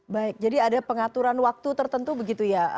baik jadi ada pengaturan waktu tertentu begitu ya